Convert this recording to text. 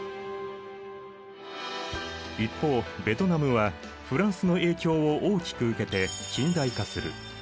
一方ベトナムはフランスの影響を大きく受けて近代化する。